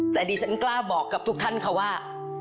แต่ดิฉันกล้าบอกกับทุกท่านค่ะว่า